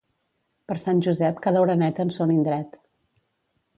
Per Sant Josep, cada oreneta en son indret